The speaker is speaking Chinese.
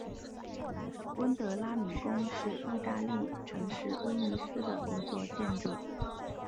温德拉敏宫是义大利城市威尼斯的一座建筑。